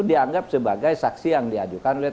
dianggap sebagai saksi yang diajukan oleh